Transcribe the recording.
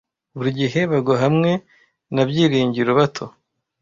buri gihe bagwa hamwe na byiringiro bato